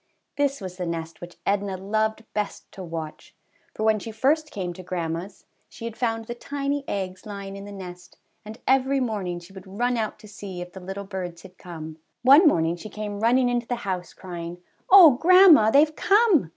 This was the nest which Edna loved best to watch, for when she first came to grandma's she had found the tiny eggs lying in the nest, and every morning she would run out to see if the little birds had come. One morning "ALL'S GONE/' 169 she came running into the house crying, ^^Oh, grandma, theyVe come!